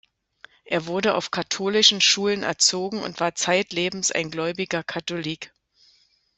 Er wurde auf katholischen Schulen erzogen und war zeitlebens ein gläubiger Katholik.